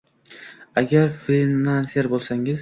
Agar frilanser bo’lsangiz